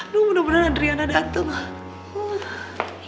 lu bener bener adriana dateng ah